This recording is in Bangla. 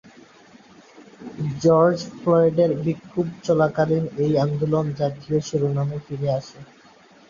জর্জ ফ্লয়েডের বিক্ষোভ চলাকালীন এই আন্দোলন জাতীয় শিরোনামে ফিরে আসে।